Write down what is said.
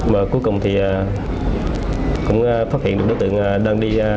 và cuối cùng thì cũng phát hiện được đối tượng đang đi